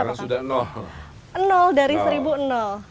sekarang sudah nol nol dari seribu nol